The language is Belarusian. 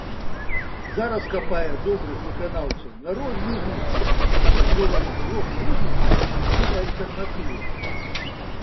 Зараз хапае добрых выканаўцаў на розны густ, асабліва ў рок-музыцы і альтэрнатыве.